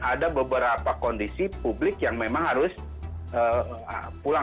ada beberapa kondisi publik yang memang harus pulang